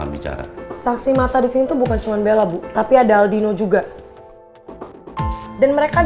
bisa kita bicarakan yang ini maksudnya